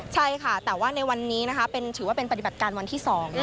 ใช่ค่ะแต่ว่าในวันนี้นะคะถือว่าเป็นปฏิบัติการวันที่๒